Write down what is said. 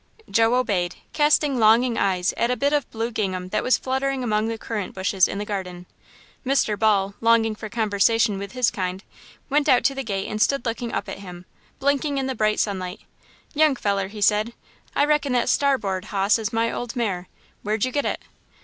Joe obeyed, casting longing eyes at a bit of blue gingham that was fluttering among the currant bushes in the garden. Mr. Ball, longing for conversation with his kind, went out to the gate and stood looking up at him, blinking in the bright sunlight. "Young feller," he said, "I reckon that starboard hoss is my old mare. Where'd you get it?"